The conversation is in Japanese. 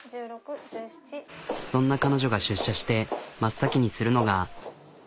そんな彼女が出社して真っ先にするのが。